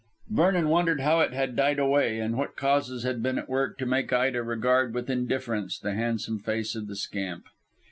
Vernon wondered how it had died away, and what causes had been at work to make Ida regard with indifference the handsome face of the scamp.